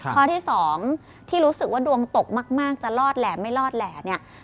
ข้อที่สองที่รู้สึกว่าดวงตกมากจะรอดแหล่ไม่รอดแหล่เนี่ย